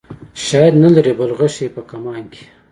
شاید نه لرې بل غشی په کمان کې.